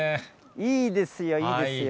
いいですよ、いいですよ。